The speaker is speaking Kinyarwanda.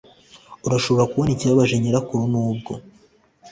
Urashobora kubona ikibabaje nyirakuru nubwo